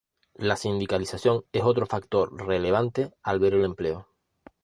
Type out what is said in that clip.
La sindicalización es otro factor relevante al ver el empleo.